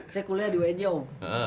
saya kuliah di wnj om